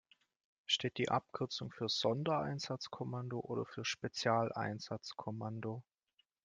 Steht die Abkürzung für Sondereinsatzkommando oder für Spezialeinsatzkommando?